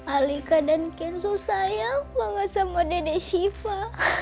alika dan kenzo sayang banget sama dede siva